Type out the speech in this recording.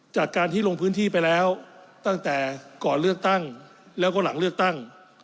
จากการที่ลงพื้นที่ไปแล้วตั้งแต่ก่อนเลือกตั้งแล้วก็หลังเลือกตั้ง